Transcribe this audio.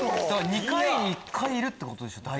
２回に１回いるってこと。